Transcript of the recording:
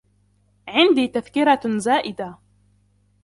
عندي تذكرة زائدة.